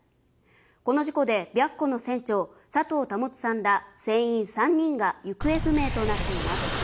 この事故で白虎の船長・佐藤保さんら船員３人が行方不明となっています。